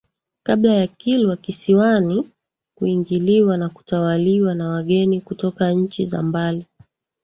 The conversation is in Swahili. kabla ya Kilwa Kisiwani kuingiliwa na kutawaliwa na wageni kutoka nchi za mbali